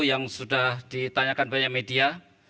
yang sudah ditanyakan banyak media